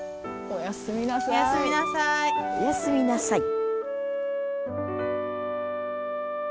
おやすみなさい。